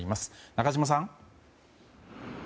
中島さん。